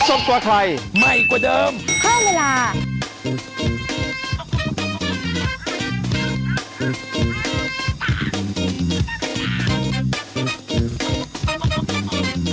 อืมจริง